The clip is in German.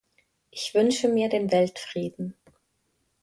Ich wünsche mir den Weltfrieden.